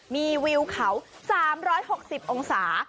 มีวิวเขา๓๖๐องศา